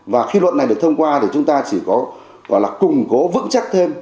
và khi luật này được thông qua thì chúng ta chỉ có gọi là củng cố vững chắc thêm